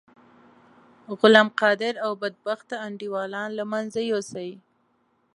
غلام قادر او بدبخته انډيوالان له منځه یوسی.